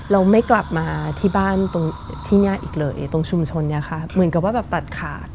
เราไม่กลับมาที่บ้านตรงที่เนี่ยอีกเลยตรงชุมชนเนี่ยค่ะเหมือนกับว่าแบบตัดขาด